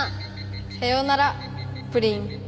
さようならプリン。